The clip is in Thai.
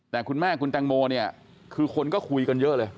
แต่คุณแม่คุณแตงโมเนี่ยคือคนก็คุยกันเยอะเลย